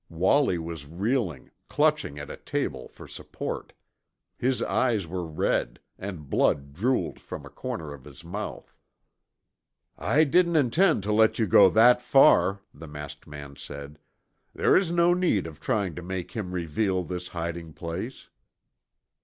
Wallie was reeling, clutching at a table for support. His eyes were red, and blood drooled from a corner of his mouth. "I didn't intend to let you go that far," the masked man said. "There is no need of trying to make him reveal this hiding place."